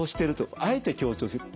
あえて強調してる。